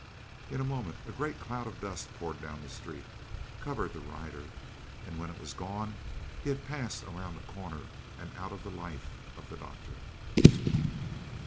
In a moment a great cloud of dust poured down the street, covered the rider, and when it was gone he had passed around a corner and out of the life of the doctor.